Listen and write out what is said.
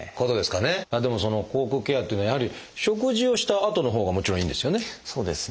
でもその口腔ケアっていうのはやはり食事をしたあとのほうがもちろんいいんですよね。